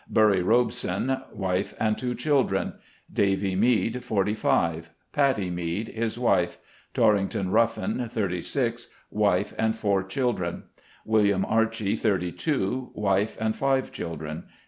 Burry Robeson, wife and two children. Davy Mead, 45. Patty Mead, his wife. TORRINGTON RuFFIN, 36, wife and four children. William Archy, 32, wife and five children.